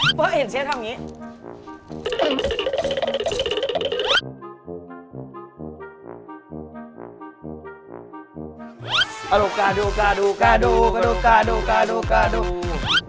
เพราะว่าเห็นเชฟทำแบบนี้